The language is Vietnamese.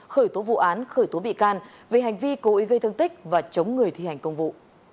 khởi tố vụ án khởi tố bị can về hành vi cố ý gây thương tích và chống người thi hành công vụ